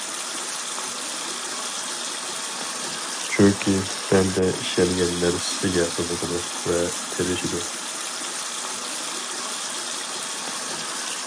چۈنكى بەندە ئىشەنگەن نەرسىسىگە قىزىقىدۇ ۋە تېرىشىدۇ.